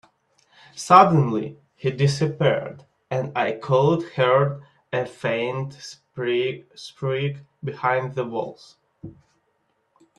Suddenly, he disappeared, and I could hear a faint shriek behind the walls.